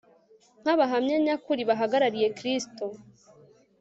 nk'abahamya nyakuri bahagarariye kristo